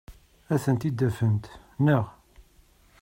Ad tent-id-tafemt, naɣ?